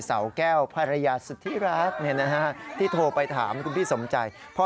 เขารู้ฟิสมากรู้จริงหรือเปล่าหนูก็รู้หนูก็ถูกเลข๒หนูก็